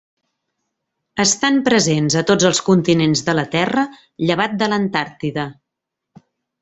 Estan presents a tots els continents de la terra llevat de l'Antàrtida.